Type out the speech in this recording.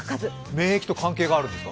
免疫と関係があるんですか？